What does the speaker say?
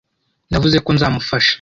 Navuze ko nzamufasha.